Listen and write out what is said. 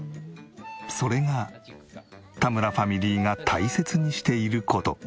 それが田村ファミリーが大切にしている事。